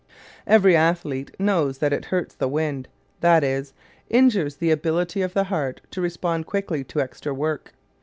Every athlete knows that it hurts the wind; that is, injures the ability of the heart to respond quickly to extra work.